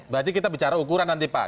berarti kita bicara ukuran nanti pak